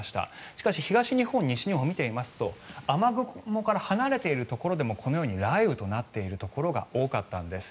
しかし東日本、西日本を見てみますと雨雲から離れているところでもこのように雷雨となっているところが多かったんです。